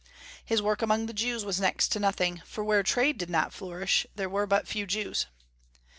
His work among the Jews was next to nothing, for where trade did not flourish there were but few Jews.